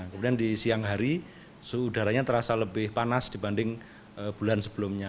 kemudian di siang hari suhu udaranya terasa lebih panas dibanding bulan sebelumnya